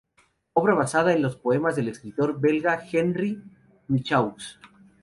Obra basada en los poemas del escritor belga Henri Michaux.